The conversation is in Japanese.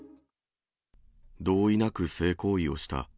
同意なく性行為をした。